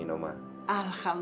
kevin akan selalu hubungi